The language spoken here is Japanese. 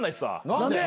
何で？